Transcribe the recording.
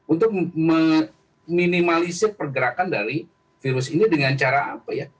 untuk meminimalisir pergerakan dari virus ini dengan cara apa ya